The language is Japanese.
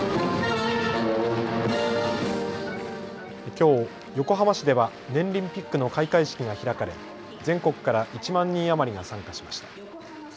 きょう、横浜市ではねんりんピックの開会式が開かれ全国から１万人余りが参加しました。